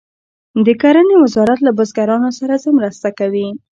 د کرنې وزارت له بزګرانو سره څه مرسته کوي؟